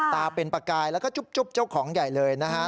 ตาเป็นประกายแล้วก็จุ๊บเจ้าของใหญ่เลยนะฮะ